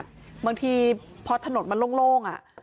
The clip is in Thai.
บางทีเพราะถนนมันโล่งอ่ะ